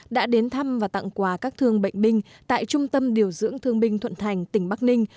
đã đến thăm và tặng quà các thương bệnh binh tại trung tâm điều dưỡng thương binh thuận thành tỉnh bắc ninh